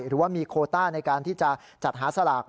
หรือว่ามีโคต้าในการที่จะจัดหาสลาก